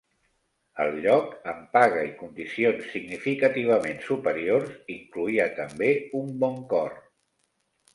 El lloc, amb paga i condicions significativament superiors, incloïa també un bon cor.